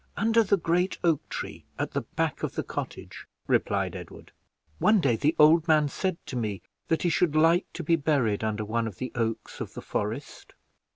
"Under the great oak tree, at the back of the cottage," replied Edward. "One day the old man said to me, that he should like to be buried under one of the oaks of the forest."